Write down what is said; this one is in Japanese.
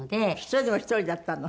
それでも１人だったの？